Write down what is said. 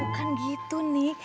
bukan gitu nih